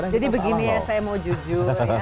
jadi begini ya saya mau jujur